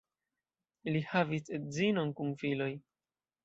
Li havis edzinon kun filoj.